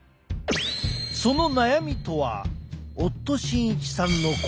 その悩みとは夫慎一さんの高血圧。